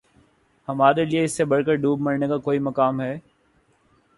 ہمارے لیے اس سے بڑھ کر دوب مرنے کا کوئی مقام ہے